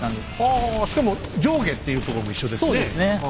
しかも上下っていうところも一緒ですね。